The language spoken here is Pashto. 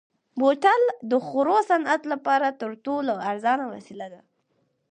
بوتل د خوړو صنعت لپاره تر ټولو ارزانه وسیله ده.